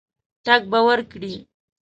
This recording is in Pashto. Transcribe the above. ټګ به ورکړي.